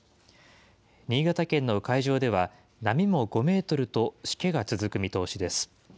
新潟県の海上では、波も５メートルとしけが続く見通しです。